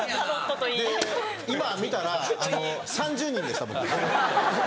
で今見たら３０人でした僕。